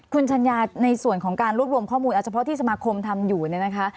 คุณชัญญาในส่วนของการรวบรวมข้อมูลเอาเฉพาะที่สมาคมทำอยู่เนี่ยนะคะ